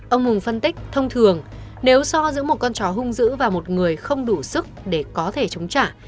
ông hùng phân tích thông thường nếu so giữa một con chó hung dữ và một người không đủ sức để có thể chống trả